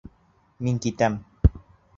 Мин китәм!